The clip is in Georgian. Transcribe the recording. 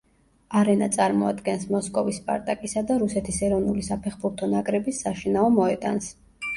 არენა წარმოადგენს მოსკოვის სპარტაკისა და რუსეთის ეროვნული საფეხბურთო ნაკრების საშინაო მოედანს.